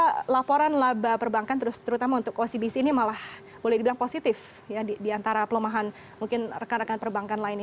keluaran laba perbankan terutama untuk ocbc ini malah boleh dibilang positif di antara pelemahan mungkin rekan rekan perbankan lainnya